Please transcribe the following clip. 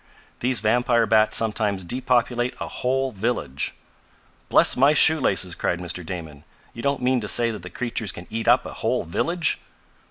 "These vampire bats sometimes depopulate a whole village." "Bless my shoe laces!" cried Mr. Damon. "You don't mean to say that the creatures can eat up a whole village?"